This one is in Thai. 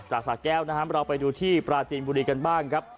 จากสาดแก้วเราไปดูที่ปลาจีนบุรีกันบ้างครับ